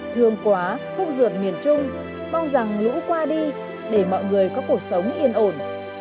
thương quá khúc ruột miền trung mong rằng lũ qua đi để mọi người có cuộc sống yên ổn